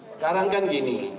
sekarang kan gini